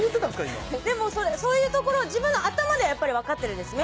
今でもそういうところを自分の頭では分かってるんです